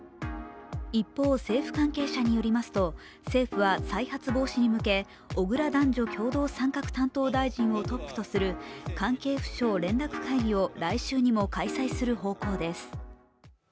一方、政府関係者によりますと政府は再発防止に向け小倉男女共同参画担当大臣をトップとする、関係府省連絡会議を来週にも開催する方向です。